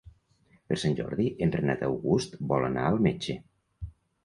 Per Sant Jordi en Renat August vol anar al metge.